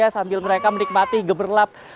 sambil mereka menikmati geberlap